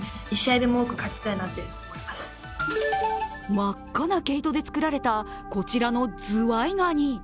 真っ赤な毛糸で作られたこちらのズワイガニ。